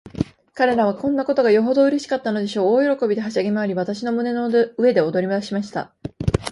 彼等はこんなことがよほどうれしかったのでしょう。大喜びで、はしゃぎまわり、私の胸の上で踊りだしました。